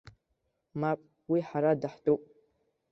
Мап, уи ҳара даҳтәуп.